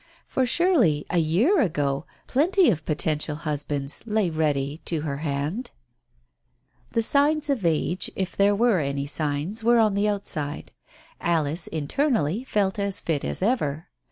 For surely, a year ago, plenty of potential husbands lay ready to her hand ?... The signs of age, if there were any signs, were on the outside. Alice, internally, felt as fit as ever.